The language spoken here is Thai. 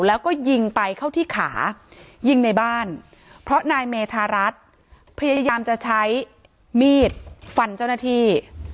แล้วก็ยิงไปเข้าที่ขายิงในบ้านเพราะนายเมธารัฐพยายามจะใช้มีดฟันเจ้าหน้าที่